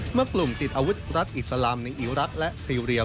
เมื่อกลุ่มติดอาวุธรัฐอิสลามในอิรักษ์และซีเรีย